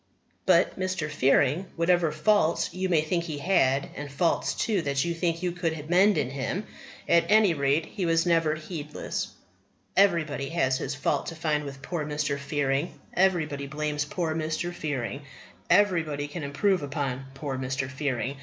But Mr. Fearing, whatever faults you may think he had and faults, too, that you think you could mend in him at any rate, he was never heedless. Everybody has his fault to find with poor Mr. Fearing. Everybody blames poor Mr. Fearing. Everybody can improve upon poor Mr. Fearing.